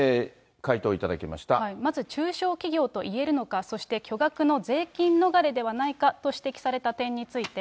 まず、中小企業といえるのか、そして、巨額の税金逃れではないかと指摘された点について。